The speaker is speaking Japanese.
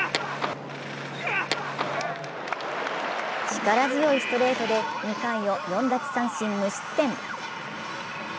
力強いストレートで２回を４奪三振無失点。